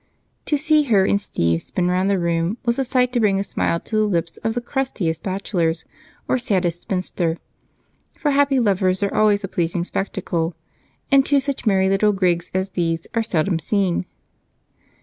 To see her and Steve spin around the room was a sight to bring a smile to the lips of the crustiest bachelor or saddest spinster, for happy lovers are always a pleasing spectacle, and two such merry little grigs as these are seldom seen.